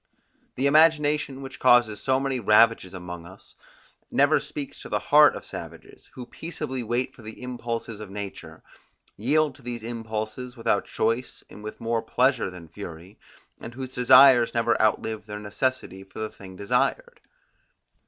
The imagination which causes so many ravages among us, never speaks to the heart of savages, who peaceably wait for the impulses of nature, yield to these impulses without choice and with more pleasure than fury; and whose desires never outlive their necessity for the thing desired.